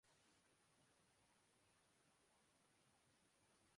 اور اس میں مسلمانوں نے رہنا بھی ہے۔